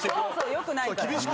良くないから。